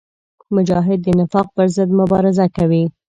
مجاهد د نفاق پر ضد مبارزه کوي.